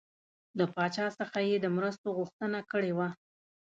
له پاچا څخه یې د مرستو غوښتنه کړې وه.